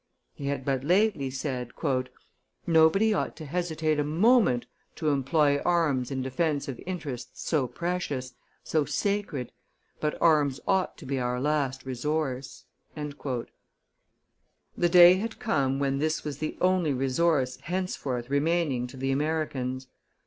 He had but lately said: "Nobody ought to hesitate a moment to employ arms in defence of interests so precious, so sacred, but arms ought to be our last resource." The day had come when this was the only resource henceforth remaining to the Americans.